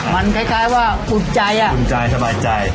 มันคล้ายว่าอุ่นใจ